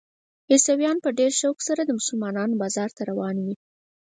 عیسویان په ډېر شوق سره د مسلمانانو بازار ته روان وي.